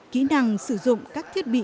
kỹ năng sử dụng các thiết bị